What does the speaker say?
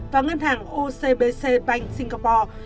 và ngân hàng ocbc bank singapore